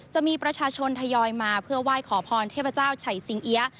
จะมีประชาชนทยอยมาเพื่อไหว้ขอพรเทพเจ้าไฉสิงเอี๊ยะ